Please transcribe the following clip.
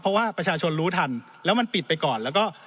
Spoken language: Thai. เพราะว่าประชาชนรู้ทันแล้วมันปิดไปก่อนแล้วก็